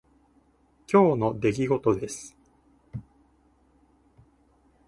今日の出来事です。